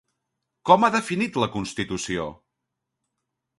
Com ha definit la Constitució?